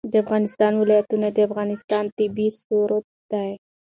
د افغانستان ولايتونه د افغانستان طبعي ثروت دی.